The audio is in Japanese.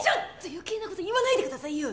余計な事言わないでくださいよ。